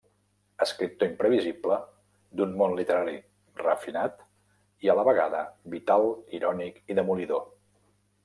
Escriptor imprevisible, d'un món literari refinat i, a la vegada, vital, irònic i demolidor.